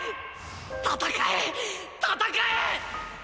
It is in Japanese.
戦え戦え！